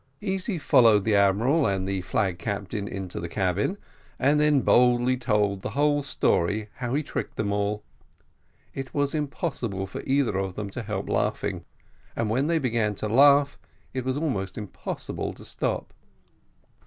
Easy followed the admiral and flag captain into the cabin, and then boldly told the whole story how he tricked them all. It was impossible for either of them to help laughing, and when they began to laugh it was almost as impossible to stop.